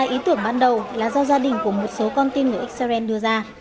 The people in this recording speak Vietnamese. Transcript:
hai ý tưởng ban đầu là do gia đình của một số con tin người israel đưa ra